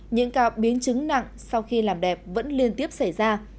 những ca biến chứng nặng sau khi làm đẹp vẫn liên tiếp xảy ra